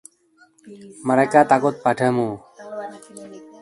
Mereka takut padamu.